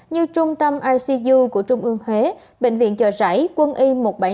như trung tâm icu của trung ương huế bệnh viện chợ rãi quân y một trăm bảy mươi năm